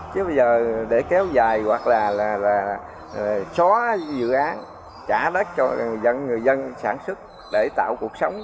chứ bây giờ để kéo dài hoặc là xóa dự án trả đất cho người dân sản xuất để tạo cuộc sống